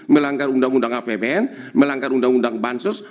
melanggar undang undang apbn melanggar undang undang bansos